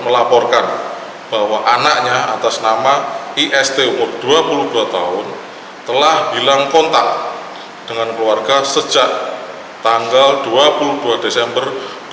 melaporkan bahwa anaknya atas nama isto dua puluh dua tahun telah bilang kontak dengan keluarga sejak tanggal dua puluh dua desember dua ribu dua puluh